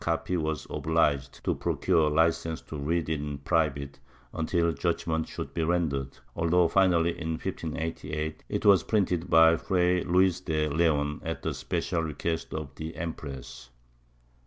copy, was obliged to procure a licence to read it in private until judgement should be rendered — although finally, in 1588, it was printed by Fray Luis de Leon at the special request of the empress.